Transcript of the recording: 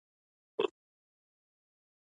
افغانستان د تاریخ لپاره مشهور دی.